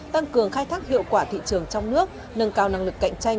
tăng cường khai thác hiệu quả thị trường trong nước nâng cao năng lực cạnh tranh